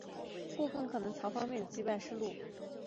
故更可能是曹魏方面隐去了曹操在此地区战败的记录。